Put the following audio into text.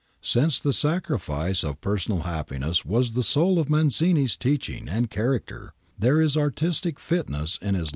Since the sacrifice of personal happiness was the soul of Mazzini's teaching and character, there is artistic fitness in his life long ^ E.